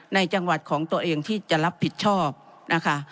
ในจังหวัดของตัวเองที่จะรับผิดชอบนะคะ